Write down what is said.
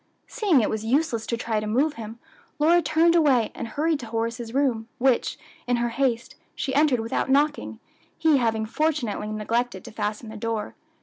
Seeing it was useless to try to move him, Lora turned away and hurried to Horace's room, which, in her haste, she entered without knocking, he having fortunately neglected to fasten the door.